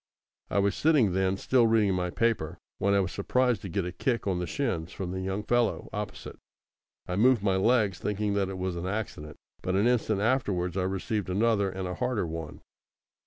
I was sitting, then, still reading my paper, when I was surprised to get a kick on the shins from the young fellow opposite. I moved my legs, thinking that it was an accident, but an instant afterwards I received another and a harder one.